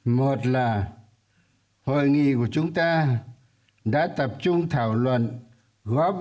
một là hội nghị của chúng ta đã tập trung thảo luận góp ý kiến cụ thể và thống nhất rất cao